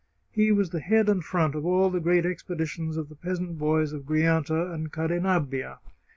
He was the head and front of all the great expeditions of the peasant boys of Gri anta and Cadenabbia.